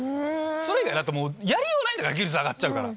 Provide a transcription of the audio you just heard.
それ以外、だってもうやりようがないじゃない、技術が上がっちゃうから。